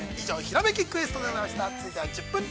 以上、「ひらめきクエスト」でございました。